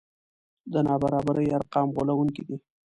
د نابرابرۍ ارقام غولوونکي دي.